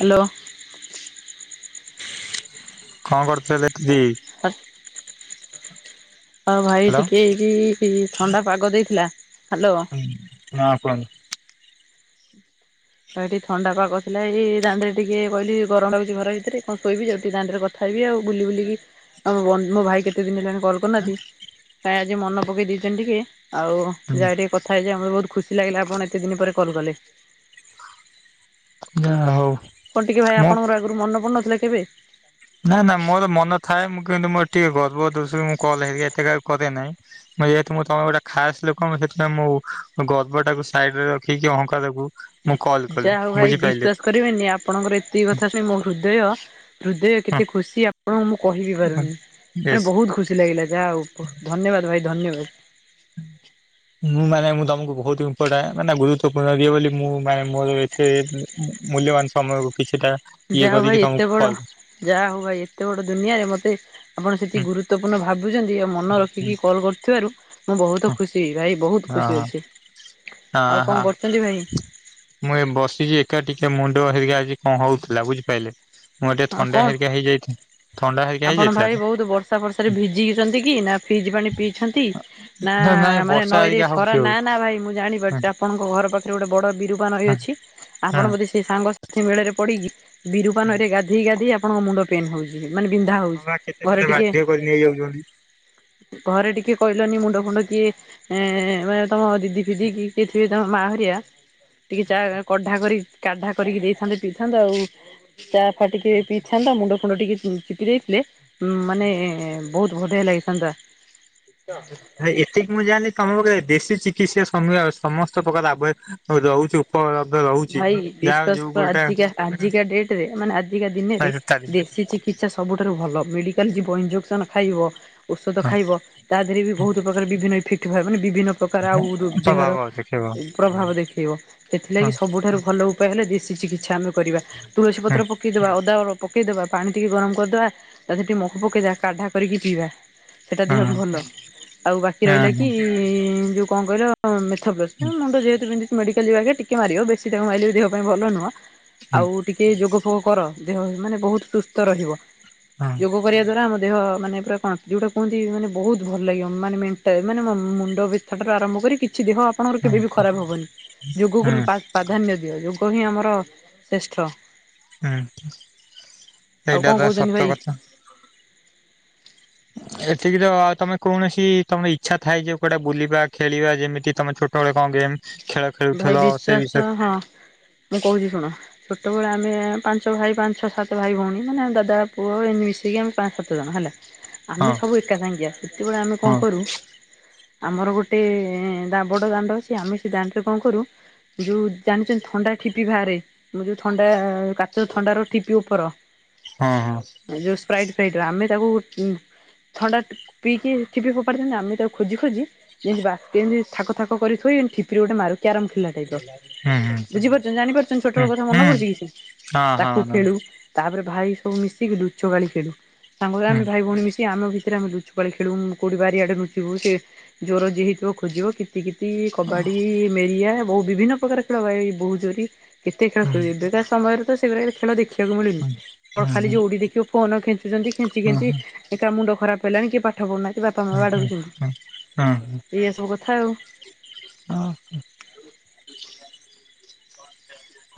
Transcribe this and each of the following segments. Hello. କଣ କରୁଥିଲେ ଦିଦି? [unintelligible] ହଁ ଭାଇ ହ୍ୟାଲୋ। ଟିକେ ଥଣ୍ଡା ପାଗ ଦେଇଥିଲା, ହାଲୋ। ହୁଁ, ହଁ କୁହନ୍ତୁ? ହଁ, ଏଠି ଥଣ୍ଡା ପାଗ ଥିଲା ଏଇ ଦାଣ୍ଡରେ ଟିକେ କହିଲି, ଗରମ ଲାଗୁଚି ଘର ଭିତରେ, କଣ ଶୋଇବି? ଯାଉଚି ଟିକେ ଦାଣ୍ଡରେ ଖାଇବି ଆଉ ବୁଲି ବୁଲିକି, ଆ ମୋ ଭାଇ କେତେ ଦିନ ହେଲାଣି କଲ୍ କରୁନାହାନ୍ତି। କାଇଁ ଆଜି ମନେ ପକେଇ ଦେଇଚନ୍ତି ଟିକେ, ଆଉ, ହୁଁ ଯାଏ ଟିକେ କଥା ହେଇଯାଏ, ଆମର ବହୁତ ଖୁସି। ଖୁସି ଲାଗିଲା, ଆପଣ ଏତେ ଦିନ ପରେ କଲ୍ କଲେ। ଯାହା ହଉ। କଣ ଟିକେ ଭାଇ ମୁଁ ଆପଣଙ୍କର ଆଗରୁ ମନେ ପଡୁନଥିଲା କେବେ? ନାଁ ନାଁ, ମୋର ମନ ଥାଏ, ମୁଁ କିନ୍ତୁ ମୋର ଟିକେ ଗର୍ବ ଦୋଷ ରୁ ମୁଁ କଲ୍ ହେଇକା ଏତେ କରେ ନାହିଁ। ଯେହେତୁ ମୁଁ ତମେ ଗୋଟେ ଖାସ୍ ଲୋକ, ସେଥିପାଇଁ ମୁଁ ଗର୍ବ ଟାକୁ ସାଇଡ୍ ରେ ରଖିକି ଅହଙ୍କାର କୁ ମୁଁ କଲ୍ ଯାହା କଲି, ହଉ ଭାଇ ବିଶ୍ଵାସ ବୁଝିପାଇଲେ? କରିବେନି, ଆପଣଙ୍କର ଏତିକି କଥା ଶୁଣି ମୋ ହୃଦୟ ହୃଦୟ କେତେ ଖୁସି, ଆପଣଙ୍କୁ ମୁଁ କହିବି ପାରୁନି, ମାନେ ୟେସ୍। ବହୁତ ଖୁସି। ଖୁସି ଲାଗିଲା, ଯାହା ହଉ, ଧନ୍ୟବାଦ ଭାଇ ଧନ୍ୟବାଦ। ମୁଁ ମାନେ, ମୁଁ ତମକୁ ବହୁତ ଇପୋର୍ଟାଣ୍ଟ, ମାନେ ଗୁରୁତ୍ୱପୂର୍ଣ୍ଣ ଦିଏ ବୋଲି ମୁଁ ମାନେ ମୋର ସେ ମୂଲ୍ୟବାନ ସମୟକୁ କିିଛିଟା ଯାହା ହେଉ ଭାଇ ଏତେ ବଡ଼, ଯାହା ହଉ ଭାଇ, ଏତେ ବଡ଼ ଦୁନିଆରେ ମତେ ଆପଣ ହଁ ସେତିକି ଗୁରୁତ୍ୱପୂର୍ଣ୍ଣ ଭାବୁଚନ୍ତି, ଆଉ ମନେ ରଖିକି କଲ୍ କରୁଥିବାରୁ ମୁଁ ବହୁତ ଖୁସି, ଭାଇ ବହୁତ ହଁ ଖୁସି ଅଛି। ହଁ ଆଉ ହଁ କଣ କରୁଛନ୍ତି ଭାଇ? ମୁଁ ଏଇ ବସିଚି ଏକା, ଟିକେ ମୁଣ୍ଡ ହେରିକା ଆଜି କଣ ହଉଥିଲା? ବୁଝିପାଇଲେ? ମୁଁ ଟିକେ ହଁ କଣ ଥଣ୍ଡା ହେରିକା ହେଇଯାଇଚି। ଆପଣ ଭାଇ ବହୁତ ବର୍ଷା ଫର୍ଷାରେ ଭିଜିଚନ୍ତି କି? ନା ଫ୍ରିଜ୍ ପାଣି ପିଇଛନ୍ତି। ନା ତ ନାଇଁ ମାନେ ବର୍ଷା ନଈରେ ହେରିକା ଖରା, ହଉଛି ଆଉ। ନାଁ ନାଁ ଭାଇ ମୁଁ ଜାଣି ହୁଁ ପାରୁଚି। ଆପଣଙ୍କ ଘର ପାଖରେ ଗୋଟେ ବଡ଼ ବିରୁପା ନଇ ହୁଁ ଅଛି, ଆପଣ ହୁଁ ବୋଧେ ସେଇ ସାଙ୍ଗସାଥି ମେଳରେ ପଡ଼ିକି ବିରୁପା ନଇରେ ଗାଧେଇ ଗାଧେଇ, ଆପଣଙ୍କ ମୁଣ୍ଡ ପେନ୍ ହେଉଚି। ମାନେ ବିନ୍ଧା ହେଉଚି। ହଁ ବା କେତେ ଘରେ ପିଲା ଟିକେ ବାଧ୍ୟ କରି ନେଇଯାଉଛନ୍ତି। ଘରେ ଟିକେ କହିଲନି ମୁଣ୍ଡ ଫୁଣ୍ଡ କିଏ, ଏ ମେ ତମ ଦିଦି ଫିଦି କି କିଏ ଏ ତାଙ୍କ ମା ହେରିକା, ଟିକେ ଚା କାଢ଼ା କରି, କାଢ଼ା କରିକି ଦେଇଥାନ୍ତେ, ପିଇଥାନ୍ତ ଆଉ। ଚା ଫା ଟିକେ ପିଇଥାନ୍ତ, ମୁଣ୍ଡ ଫୁଣ୍ଡ ଟିକେ ପିଇ ଦେଇଥିଲେ, ମାନେ ବହୁତ ବଢ଼ିଆ ଲାଗିଥାନ୍ତା। ଭାଇ, ଏତିକି ମୁଁ ଜାଣିଲି, ତମକୁ ଦେଶୀ ଚିକିତ୍ସା ସମ ସମସ୍ତ ପ୍ରକାର ଲାଭ ରହୁଚି, ଉପଲବ୍ଧ ରହୁଚି, ଭାଇ ଯାହାଉ ବିଶ୍ୱାସ ଯୋଉ କର ଗୋଟା ଆଜିକା ଆଜିକା ଡେଟ ରେ, ମାନେ ଆଜିକା ଦିନରେ, ଦେଶୀ ଚିକି ଚିକିତ୍ସା ସବୁଠାରୁ ଭଲ। ମେଡ଼ିକାଲ ଯିବ, ଇଞ୍ଜେକ୍ସନ୍ ଖାଇବ, ଔଷଧ ଖାଇବ। ତା ଦେହରେ ବି ବହୁତ ପ୍ରକାର ବିଭିନ୍ନ ଇଫେକ୍ଟ ହୁଏ, ମାନେ ବିଭିନ୍ନ ପ୍ରକାର ଆଉ, ଦେହର ସ୍ୱଭାବ ଦେଖେଇବ। ପ୍ରଭାବ ଦେଖେଇବ, ସେଥି ଲାଗି ହଁ ସବୁଠାରୁ ଭଲ ଉପାୟ ହେଲେ, ଦେଶୀ ଚିକିତ୍ସା ଆମେ କରିବା, ତୁଳସୀ ପତ୍ର ହଁ ପକେଇଦବା, ଅଦା ପକେଇଦବା, ପାଣି ଟିକେ ଗରମ କରିଦବା, ତା ଦିହରେ ଟିକେ ମହୁ ପକେଇ ଦବା, କାଢା କରିକି ପିଇବା। ସେଟା ଦେହ ହଁ ପାଇଁ ଭଲ, ଆଉ ବାକି ରହିଲା ହଁ କି ହଁ ଯୋଉ କଣ କହିଲ, ମେଥପ୍ଲସ? ଉଁ ହଁ ମୁଣ୍ଡ ଯେହେତୁ ବିନ୍ଧୁଚି, ମେଡିକାଲ ଯିବା ଆଗ ଟିକେ ମାରିବ, ବେଶୀ ତାକୁ ମାରିଲେ ବି ଦେହ ପାଇଁ ଭଲ ନୁହଁ। ହଁ ଆଉ ଟିକେ ଯୋଗ ଫୋଗ କର, ଦେହ ମାନେ ବହୁତ ସୁସ୍ଥ ରହିବ। ଯୋଗ କରିବା ଦ୍ଵାରା ଆମ ଦେହ, ମାନେ ପୁରା କଣ ଯଉଟା କୁହନ୍ତି ମାନେ ବହୁତ ଭଲ ଲାଗିବ, ମାନେ ମେଣ୍ଟ ମାନେ ମୁଣ୍ଡ ତାଠାରୁ ଆରମ୍ଭ କରି, କିଛି ଦେହ ଆପଣଙ୍କର ହଁ। ହୁଁ କେବେ ବିି ଖରାପ ହବନି, ଯୋଗକୁ ପ୍ରାଧାନ୍ୟ ଦିଅ, ଯୋଗ ହିଁ ଆମର ଶ୍ରେଷ୍ଠ। ହୁଁ ହୁଁ ଆଉ କଣ ଏଇଟା ବା କହୁଛନ୍ତି ଭାଇ ସତ କଥା। ହଁ [inaudible] ଏଠିକି ତ ଆଉ ତମେ କୌଣସି ତମେ ଇଚ୍ଛା ଥାଏ ଯେ କୁଆଡେ ବୁଲିବା ଖେଳିବା ଯେମିତି ତମେ ଛୋଟବେଳେ କଁ ଗେମ୍। ଖେଳ ଭାଇ ଖେଳୁଥିଲ ସେ ବିଶ୍ଵାସ ବିଷୟରେ। ହଁ। ମୁଁ କହୁଛି ଶୁଣ। ଛୋଟବେଳେ ଆମେ ପାଞ୍ଚ ଭାଇ ପାଞ୍ଚ ଛ ସାତ ଭାଇ ଭଉଣୀ ମାନେ ଦାଦା ପୁଅ ଏମିତି ମିଶିକି ଆମେ ପାଞ୍ଚ ସାତ ଜଣ ହେଲା। [inaudible] ଆମେ ସବୁ ଏକା ସାଙ୍ଗିଆ ସେତେବେଳେ ଆମେ କଣ ହଁ କରୁ। ଆମର ଗୋଟେ ଦା ବଡ ଦାଣ୍ଡ ଅଛି ଆମେ ସେ ଦାଣ୍ଡ ରେ କଁ କରୁ ଯୋଉ ଜାଣିଛନ୍ତି ଥଣ୍ଡା ଠିପି ବାହାରେ ଆମେ ଯୋଉ ଥଣ୍ଡା। କାଚ ଥଣ୍ଡାର ଠିପି ଉପର ହଁ ହଁ ଯୋଉ ସ୍ପ୍ରାଇଟ ଫ୍ରାଇଟ୍ ର ଆମେ ତାକୁ ଉଁ। ଥଣ୍ଡା। ପିଇକି ଠିପି ଫପାଡି ଦିଅନ୍ତି ଆମେ ତାକୁ ଖୋଜି ଖୋଜି ଯେମିତି ବା ଏମିତି ଥାକ ଥାକ କରିଥୋଇ ଏମ ସେଠି ଗୋଟେ ମାରୁ କ୍ୟାରମ୍ ଖେଳିଲା ଟାଇପ୍ ର ହୁଁ ବୁଝିପାରୁଚନ୍ତି ଜାଣିପାରୁଚନ୍ତି ହୁଁ ଛୋଟବେଳ କଥା ହୁଁ ମନ ପଡୁଛି କିଛି। ହଁ ହଁ ତାକୁ ହଁ। ଖେଳୁ ତାପରେ ଭାଇ ସବୁ ମିଶିକି ଲୁଚକାଳି ଖେଳୁ ସାଙ୍ଗ ହେଇ ହୁଁ ଆମେ ଭାଇ ଭଉଣୀ ମିଶି ଆମ ଭିତରେ ଆମେ ଲୁଚୁ। କାଳି ଖେଳୁ କୋଉଠି ବାରିଆଡେ ଲୁଚିବୁ ସେ ଜୋର ଯିଏ ହେଇଥିବ ଖୋଜିବ କିତି କିତି କ କବାଡ଼ି ମେରିଆ ବହୁ ବିଭିନ୍ନ ପ୍ରକାର ଖେଳ ଭାଇ ବୋହୁ ଚୋରି କେତେ ଖେଳ ହୁଁ ଖେଳୁ ‌ଏବେକା। ସମୟରେ ତ ସେଗୁରା ଖେଳ ଦେଖିବାକୁ ହୁଁ। ମିଳୁନି ହୁଁ ଖାଲି ହୁଁ ଯୋଉଠି ଦେଖିବ ଫୋନ ଖେଞ୍ଚୁଛନ୍ତି ଖେଞ୍ଚି ହୁଁ ଖେଞ୍ଚି। ହୁଁ ଏ କା ମୁଣ୍ଡ ଖରାପ ହେଲାଣି କି ପାଠ ପଢୁନାନ୍ତି ବାପା ମା ହୁଁ ହୁଁ ହୁଁ ହୁଁ ହୁଁ ବାଡଉଚନ୍ତି ଏଇଆ ସବୁ କଥା ଆଉ। ଅ ହଁ।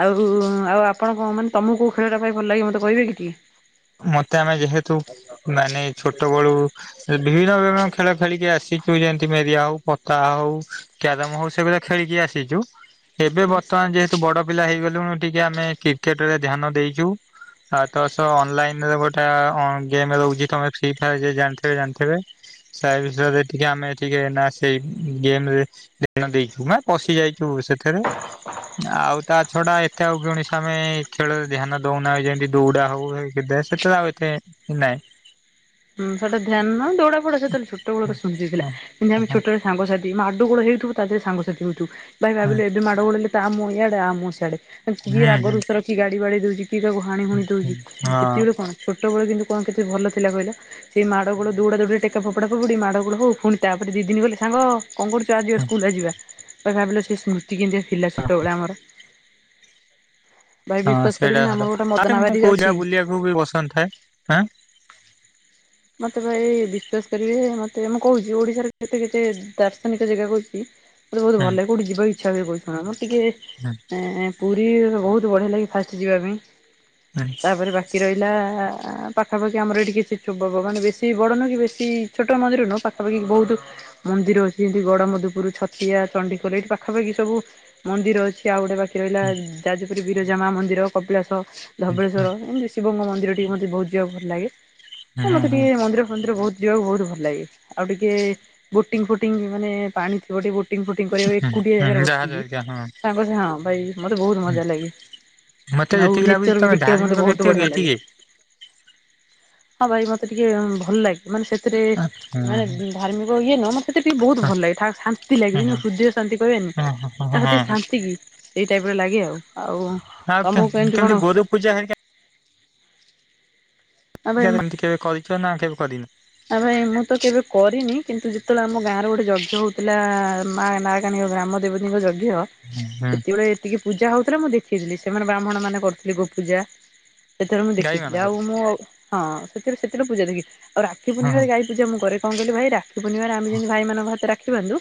ଆଉ ଆଉ ଆପଣ କଁ ମାନେ ତମକୁ କୋଉ ଖେଳଟା ଭାଇ ଭଲ ଲାଗେ ମୋତେ କହିବେ କି ଟିକେ। ମତେ ଆମେ ଯେହେତୁ ମାନେ ଛୋଟବେଳୁ। ବିଭିନ୍ନ ଜନକ ଖେଳ ଖେଳିକି ଆସିଛୁ ଯେମିତି ମେରିଆ ହଉ ପତା ହଉ। କ୍ୟାରମ ହଉ ସେଇ ଭଳିଆ ଖେଳିକି ଆସିଛୁ ଏବେ ବର୍ତ୍ତମାନ ଯେହେତୁ ବଡ ପିଲା ହେଇଗଲୁଣୁ। ଟିକେ ଆମେ କ୍ରିକେଟ ରେ ଧ୍ୟାନ ଦେଇଛୁ ଆ‌ ତ ସ। ଅନଲାଇନ ରେ ଗୋଟା ଅଁ ଗେମ୍ ରହୁଛି ତମେ ଫ୍ରି ଫାୟର ଯଦି ଜାଣିଥିବେ ଜାଣିଥିବେ। ସେ ବିଷୟରେ ଟିକେ ଆମେ ଟିକେ ନା ସେଇ ଗେମ ରେ। ଧ୍ୟାନ ଦେଇଛୁ ମାନେ ପଶି ଯାଇଛୁ ସେଥେରେ। ଆଉ ତା ଛଡା ଏତେ ଆଉ କୌଣସି ଆମେ ଖେଳରେ ଧ୍ୟାନ ଦଉନା ଯେମିତି ଦୌଡା ହଉ। ବିଧା ସେଥେରେ ଆଉ ଏତେ ନାଇଁ। ହୁଁ ସେଟା ଧ୍ୟାନ ନୁହଁ ଦୌଡା ଫୌଡା ସେତେବେଳେ ଛୋଟ ବେଳର ସୁଜି ଥିଲା ହଁ ଯେମିତି ଆମେ ହଁ ଛୋଟ ବେଳେ। ସାଙ୍ଗସାଥି ମାଡ଼ ଗୋଳ ହେଇଥିବୁ ତା ଦେହରେ ସାଙ୍ଗସାଥି ହଉଥିବୁ ଭାଇ ହୁଁ ଭାବିଲେ ଏବେ ମାଡ଼ ଗୋଳ ହେଲେ। ତା ମୁହଁ ଇଆଡେ ଆ ମୁଁହ ସିଆଡେ କି ହୁଁ ରାଗରୁସା ରଖି ଗାଡି ବାଡେଇ ଦଉଛି। କିଏ କାହାକୁ ହାଣି ହୁଣି ହୁଁ ହୁଁ ଦଉଛି ସେତିି ବେଳେ କଣ ଛୋଟ ବେଳେ କିନ୍ତୁ କଣ କେତେ ଭଲ ଥିଲା କହିଲ। ସେଇ ମାଡ଼ ଗୋଳ ଦୌଉଡା ଦଉଡି ରେ ଟେକା ଫୋପଡା ଫୋପଡି ମାଡ଼ ଗୋଳ ହଉ ପୁଣି ତାପରେ ଦି ଦିନ ଗଲେ ସାଙ୍ଗ କଣ କରୁ ଚୁ ଆ‌ ଯିବା ହଁ। ସ୍କୁଲ ଆ ଯିବା ତ ଭାବିଲ ସେଇ ସ୍ମୃତି କେମିତିକା ଥିଲା ଛୋଟବେଳେ ଆମର। ଭାଇ ହଁ ବିଶ୍ୱାସ ସେଇଟା କରିବେନି ଆମର ସତ ଗୋଟେ ଆଉ ମଦନାବାରି କେମିତି କୋଉ ଅଛି ଯାଗା ବୁଲିବାକୁ ବି ପସନ୍ଦ ଥାଏ ଆଁ। [inaudible] ମତେ ଭାଇ ବିଶ୍ଵାସ କରିବେ ମତେ ମୁଁ କହୁଛି ଓଡିଶାର କେତେ କେତେ ଦାର୍ଶନିକ ଜାଗା କହୁଛି। ମତେ ବହୁତ ଭଲ ହୁଁ ଲାଗେ କୋଉଠି ଯିବା କୁ ଇଛା ହୁଏ କହୁଚି ଶୁଣ ମୁଁ ଟିକେ। ହୁଁ ଏଁ ପୁରୀ ବହୁତ ବଢିଆ ଲାଗେ ଫାଷ୍ଟ ଯିବା ପାଇଁ। ହୁଁ ତାପରେ ବାକି ରହିଲା ପାଖାପାଖି ଆମର ଏଇଠି କିଛି। ଛୁବବ ମାନେ ବେଶୀ ବଡ଼ ନୁହଁ କି ବେଶୀ ଛୋଟ ମନ୍ଦିର ନୁହଁ ପାଖାପାଖି ବହୁତ ମନ୍ଦିର ଅ ଯେମତି ଗଡ ମଧୁପୁର ଛତିଆ ଚଣ୍ଡିିଖୋଲ ଏଇଠି ପାଖାପଖି ସବୁ ମନ୍ଦିର ଅଛି ଆଉ ଗୋଟେ ବା ରହିଲା ଯାଜପୁରି ବିରଜାମା ମନ୍ଦିର କପିଳାସ ହୁଁ ଧବଳେଶ୍ୱର ଏମିତି ଶିବ ଙ୍କ ମନ୍ଦିର ଟିକେ ମୋତେ ବହୁତ ଯିବାକୁ ଭଲ ଲାଗେ ଆ ହୁଁ ମତେ ହୁଁ। ଟିକେ ମନ୍ଦିର ଫନ୍ଦିର ବହୁତ ଯିବାକୁ ବହୁତ ଭଲ ଲାଗେ ଆଉ ଟିକେ ବୋଟିଂ ଫୋଟିଂ ମାନେ ପାଣି ଥିବ ଟିକେ ବୋ ଫୁଟିଙ୍ଗ ଫୁଟିଙ୍ଗ କରିବା ହୁଁ ଏକୁଟିଏ ହୁଁ ଜାଗାରେ ଯାହା ବସିକି ଯାହା ହଁ ସାଙ୍ଗସହ ହଁ ଭାଇ ମତେ ବହୁତ ହୁଁ ମଜା ଲାଗେ। ମତେ ଆଉ ଯେତିକି ଲାଗୁଛି ନେଚର ବି ତମେ ଦେଖିବାକୁ ଧାର୍ମିକ ମତେ ବ୍ୟକ୍ତି ବହୁତ କି ବଢିଆ ଲାଗେ। ଟିକେ ହଁ ଭାଇ ମତେ ଟିକେ ଭଲଲାଗେ ମାନେ ସେଥିରେ ହୁଁ ହୁଁ ମାନେ ଧାର୍ମିକ ଇଏ ନୁହ ମ ସେଠି ଟିକେ ବହୁତ ହୁଁ ଭଲ ଲାଗେ ଠା ଶାନ୍ତି ଲାଗେ ଯେ ହୃଦୟ ଶାନ୍ତି ପାଇବ ହଁ ଏମିତି ତ ହଁ ଶାନ୍ତି। ଏଇ ଟାଇପର ଲାଗେ ଆଉ ଆଉ ଆଉ ତମକୁ କେମିତି କଣ? ଗୋରୁ ପୂଜା ହେରିକା ଆ [unintelligible] କରିଛ ନା କେବେ କରିନ? ଆ ଭାଇ ମୁଁ ତ କେବେ କରିନି କିନ୍ତୁ ଯେତେବେଳେ ଆମ ଗାଁ ର ଗୋଟେ ଯଜ୍ଞ ହଉଥିଲା ମା ନା କଣ ଗ୍ରାମ ଦେବତୀଙ୍କ ଯଜ୍ଞ? ହୁଁ ସେତବେଳେ ଏତିକି ପୂଜା ହଉଥିଲା ମୁଁ ଦଦେଖିଥିଲି ସେମାନେ ବ୍ରାହ୍ମଣ ମାନେ କରୁଥିଲେ ଗୋପୂଜା ସେଥିରେ ମୁଁ ଗାଈ ଦେଖିଥିଲି ମାନଙ୍କର ଆଉ ମୁଁ ହଁ ସେଥିରେ ସେଥିରେ ପୂଜା ଦେଖଥିଲି ଆଉ ରାଖି ହଁ ପୂର୍ଣିମାରେ ଗାଇ ପୂଜା ମୁଁ କରେ କଣ କହିଲ ଭାଇ ରାକ୍ଷୀ ପୁର୍ଣିମା ରେ ଆମେ ଯେମିତି ଭାଇମାନଙ୍କ ହାତରେ ରଖି ବାନ୍ଧୁ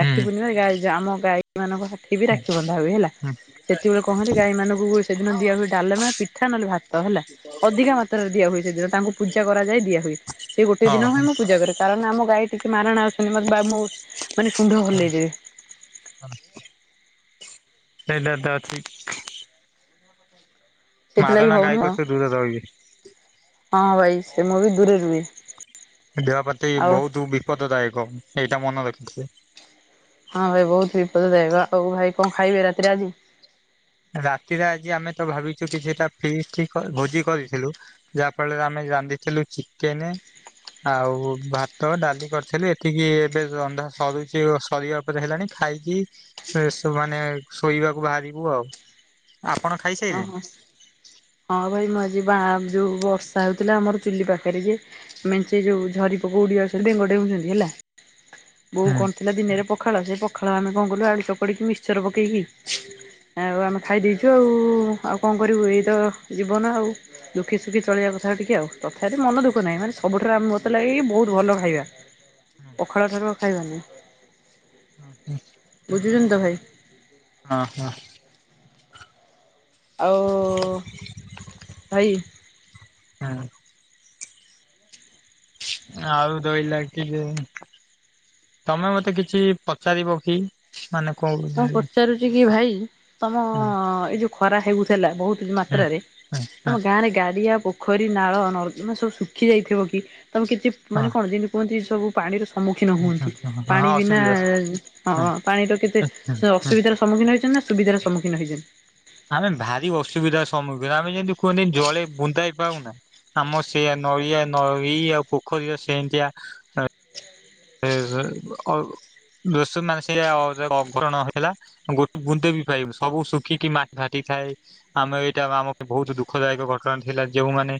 ରାକ୍ଷୀ ପୁର୍ଣ୍ଣିମାରେ ଆମ ଗାଈ ମାନଙ୍କ ହାଠି ବି ରାକ୍ଷୀ ବନ୍ଧା ହୁଏ ହେଲା। ହୁଁ ସେତେବେଳେ କହନ୍ତି ଗାଈ ମାନଙ୍କୁ ସେଦିନ ଦିଆ ହୁଏ ଡାଲମା ପିଠା ନହେଲେ ଭାତ ହେଲା ଅଧିକା ମାତ୍ରାରେ। ଦିଆ ହୁଏ ସେଦିନ ତାଙ୍କୁ ପଜା କରାଯାଏ ଦିଆ ହୁଏ ସେ ଗୋଟେ ଦିନ ଓହୋ ମା ମୁଁ ପୂଜା କରେ କାରଣ ଆମ ଗାଈ ଟିକେ ମାରଣା ଅ [unintelligible] ସୁଣ୍ଢ ହଲେଇ ଦେବେ। [unintelligible] ସେଥିଲାଗି ମାରଣା ଗାଈ ହଉନ ହଁ କତୁରୁ ଦୂରରେ ରହିବେ ଭାଇ ସେ ମୁଁ ବି ଦୂରେ ରୁହେ। ଦେହପାତି ଆଉ ବହୁତ ବିପଦଦାୟକ ଏଇଟା ମନେ ରଖିଥିବେ। ହଁ ଭାଇ ବହୁତ ବିପଦଦାୟକ ଆଉ ଭାଇ କଣ ଖାଇବେ ରାତିରେ ଆଜି? ରାତିରେ ଆଜି ଆମେ ତ ଭାବିଛୁ କିଛିଟା ଫିଷ୍ଟ୍ ଭୋଜି କରିଥିଲୁ। ଯାହା ଫଳରେ ଆମେ ରାନ୍ଧିଥିଲୁ ଚିକେନେ। ଆଉ ଭାତ ଡାଲି କରିଥିଲି ଏତିକି ଏବେ ରନ୍ଧା ସରୁଛି ସରିଆ ଉପରେ ହେଲାଣି ଖାଇକି ମାନେ ଶୋଇବାକୁ ବାହାରିବୁ ଆଉ ଆପଣ ଓ ଖାଇସାଇଲେଣି? ହୋ। ହଁ ଭାଇ ମୁଁ ଆଜି ବା ଯୋଉ ବର୍ଷା ହଉଥିଲା ଆମର ଚୁଲି ପାଖରେ ଯେ ମେଞ୍ଚେ ଯୋଉ ଝରି ପୋକ ଉଡି ଆସୁଛନ୍ତି ବେଙ୍ଗ ଡେଉଛନ୍ତି ହେଲା ବୋଉ ହୁଁ। କ ପିଲା ଦିନରେ ପଖାଳ ସେ ପଖାଳ ଆମେ କଣ କଲୁ ଆଳୁ ଚକଟି ମିକ୍ସଚର ପକେଇକି ଆଉ ଆମେ ଖାଇ ଦେଇଛୁ ଆଉ ଆଉ କଣ କରିବୁ ଏଇତ ଜୀବନ ଆଉ ଦୁଃଖ ସୁଖି ଚଳିବା କଥା ଟିକେ ଆଉ ତଥାପି ମନ ଦୁଃଖ ନାହିଁ ମାନେ ସବୁଠାରୁ ଆମେ ମତେ ଲାଗେ କି ବହୁତ ଭଲ ଖାଇବା। ପଖାଳ ଠାରୁ ଆଉ ଖାଇବାନାଇଁ। ହଁ ହଁ। ବୁଝୁଛନ୍ତି ତ ଭାଇ? ହଁ ହଁ। ଆଉ ଭାଇ କଣ? ଆଳୁ ଦୁଇ ରହିଲା କିଲେ। ତମେ ମତେ କିଛି ପଚାରିବ କି? ମାନେ କଣ ହଁ ବୁଝିଲି ପଚାରୁଛି କି ଭାଇ? ତମ ହୁଁ ଏଇ ଯୋଉ ଖରା ହେଉଥିଲା ବହୁତ ହୁଁ। ମାତ୍ରାରେ ତମ ଗାଁ ରେ ଗାଡିଆ ପୋ ପୋଖରୀ ନାଳ ନର୍ଦମା ସବୁ ଶୁଖି ଯାଇଥିବ କି ତମେ କିଛି ମାନେ କଣ ଯେମିତି କୁହନ୍ତି ସବୁ ପାଣିର ସମ୍ମୁଖିନ ହୁଅନ୍ତି ହଁ ପାଣି ବିନା ଅସୁବିଧା ହୁଁ ହଁ ପାଣିର କେତେ ହୁଁ ହୁଁ ଅସୁବିଧା ସମ୍ମୁଖୀନ ହେଇଛନ୍ତି ନା ସୁବିଧାର ସମୁଖୀନ ହେଇଛନ୍ତି। ଆମେ ଭାରି ଅସୁବିଧାର ସମ୍ମୁଖୀନ ଆମେ ଯେମିତି କୁହନ୍ତିିନ ଜଳେ ବୁନ୍ଦାଏ ପାଉନା। ଆମ ସେଆ ନଇ ଆ ନଇଆଉ ପୋଖରୀର ସେମିତିଆ [unintelligible] ଆଗଣ ହେଲା। ଗୋଟେ ବୁନ୍ଦେ ବି ପାଇବୁ ସବୁ ଶୁଖିକି ମାଟି ଫାଟି ଥାଏ। ଆମେ ଏଇଟା ଆମ ବହୁତ ଦୁଃଖଦାୟକ ଘଟଣା ଥିଲା ଯୋଉମାନେ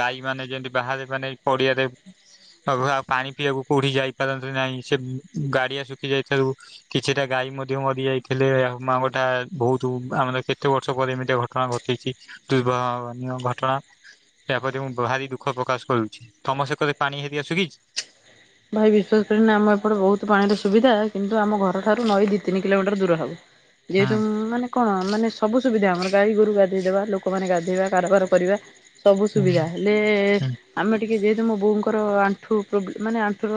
ଗାଈ ମାନେ ଯେମତି ବାହାରେ ମାନେ ପଡିଆରେତ ଘରେ ପାଣି ପିଇବାକୁ କୋଉଠି ଯାଇପାରନ୍ତି ନାହିଁ ସେ ଗାଡିଆ ଶୁଖି ଯାଇଥାଉ। କିଛିଟା ଗାଈ ମଧ୍ୟ ମରି ଯାଇଥିଲେ ମାଙ୍କଟା ବହୁତ ଆମର କେତେ ବର୍ଷ ପରେ ଏମିତି ଘଟଣା ଘଟିଛି ଦୁର୍ଭାବନୀୟ ଘଟଣା। ଏହାପରେ ମୁଁ ଭାରି ଦୁଃଖ ପ୍ରକାଶ କରୁଛି ସମସ୍ତେ କହିଲେ ପାଣି ହେରିଆ ଶୁଖିଛି। ଭାଇ ବିଶ୍ୱାସ କରିବନି ଆମ ଏପଟେ ବହୁତ ପାଣିର ସୁବିଧା କିନ୍ତୁ ଆମ ଘରଠାରୁ ନଈ ଦି ତିନି କିଲୋମିଟର ଦୂର ହବ। ଯେହେତୁମ୍ ମାନେ କଣ ମାନେ ସବୁ ସୁବିଧା ଆମର ଗାଈ ଗୋରୁ ଗାଧେଇଦବା ଲୋକମାନେ ଗାଧୋଇବା କାରବାର କରିବା। ସବୁ ସୁବିଧା ହେଲେ ଆମେ ଟିକିଏ ଯେହେତୁ ମୋ ବୋଉଙ୍କର ଆଣ୍ଠୁ ପ୍ରୋବ୍ଲେ ମାନେ ଆମେ ହଉଥିବ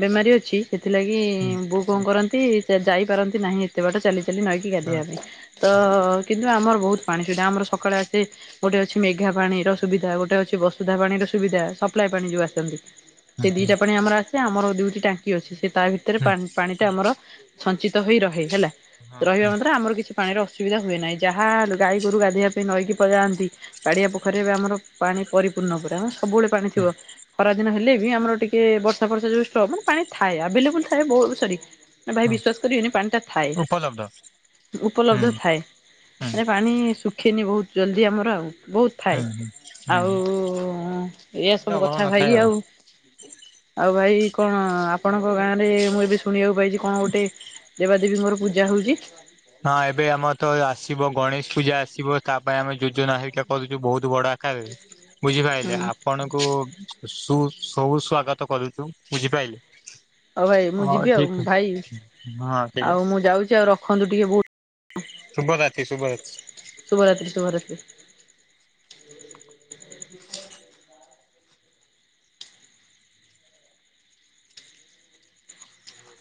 ବେମାରି ଅଛି। କଣ କରନ୍ତି ଯାଇପାରନ୍ତି ନାହିଁ ଏତେ ବାଟ ଚାଲି ଚାଲି ନଈକି ହଁ। ଗାଧୋଇବା ପାଇଁ। ତ କିନ୍ତୁ ଆମର ବହୁତ ପାଣି ସେଟା ଆମର ସକାଳେ ଆସେ। ଗୋଟେ ଅଛି ମେଘା ପାଣିର ସୁବିଧା ଗୋଟେ ଅଛି ବସୁଧା ପାଣିର ସୁବିଧା ସପ୍ଲାଏ ପାଣି ଯୋଉ ଆସନ୍ତି। ସେ ଦିଟା ପାଣି ଆମର ଆସେ ଆମର ଦୁଇଟି ଟାଙ୍କି ଅଛି ସେ ତା ଭିତରେ ପା ପାଣି ଟା ଆମର ସଞ୍ଚିତ ହେଇ ରହେ ହେଲା ରହିବା ମାତ୍ର ଆମର କିଛି ପାଣିର ଅସୁବିଧା ହୁଏ ନାହିଁ ଯାହା ଗାଈ ଗୋରୁ ଗାଧୋଇବା ପାଇଁ ନଈକି ପଳାନ୍ତି। ପାଡିଆ ପୋଖରୀ ବି ଆମର ପାଣି ପରିପୂର୍ଣ୍ଣ ପୁରା ଆମ ସବୁବେଳେ ପାଣି ଥିବ ଖରା ଦିନ ହେଲେ ଆମର ଟିକେ [unintelligible] ଥାଏ ଆବେଲେବୁଲ ଥାଏ। ଭାଇ ହଁ ବିଶ୍ୱାସ କରିବନି ପାଣି ଟା ଥାଏ। ଉପଲବ୍ଧ ହୁଁ ଉପଲବ୍ଧ ଥାଏ ହୁଁ ସେ ପାଣି ଶୁଖେନି ବହୁତ ଜଲଦି ଆମର ଆଉ ବହୁତ ଥାଏ ହୁଁ ହୁଁ ହୁଁ ଆଉ ହୁଁ। ଏଇଆ ପାଣିର ସବୁ ଅଭାବ କଥା ନଥାଏ ଭାଇ ଆଉ ଆଉ ଭାଇ କଣ ଆପଣଙ୍କ ଗାଁ ରେ ମୁଁ ଏବେ ଶୁଣିବାକୁ ପାଇଛି କଣ ଗୋଟେ। ଦେବାଦେବୀଙ୍କର ପୂଜା ହଉଛି। ହଁ ଏବେ ଆମର ତ ଆସିବ ଗଣେଶ ପୂଜା ଆସିବ ତା ପାଇଁ ଆମେ ଯୋଜନା ହେଇିକା କରୁଛୁ ବହୁତ ବଡା ଆକାରରେ ହୁଁ ବୁଝିପାଇଲେ ଆପଣଙ୍କୁ ସୁ ସବୁ ସ୍ଵାଗତ କରୁଛୁ ବୁଝିପାଇଲେ। ହଉ ଭାଇ ମୁଁ ଯିବି ଆଉ ଭାଇ ଅଛି ହଁ ଠିକ ଆଉ ଅଛି ମୁଁ ଯାଉଛି ଆଉ ରଖନ୍ତୁ ଟିକେ ବହୁ ଶୁଭ ରାତି ଶୁଭ ରାଚି। ଶୁଭରାତ୍ରୀ ଶୁଭରାତ୍ରୀ।